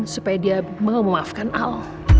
supaya dia memaafkan al